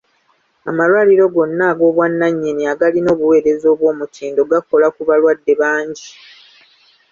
Amalwaliro gonna ag'obwannanyini agalina obuweereza obw'omutindo gakola ku balwadde bangi.